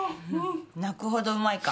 泣くほどうまいか。